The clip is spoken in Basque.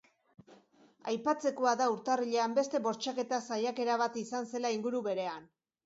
Aipatzekoa da urtarrilean beste bortxaketa saiakera bat izan zela inguru berean.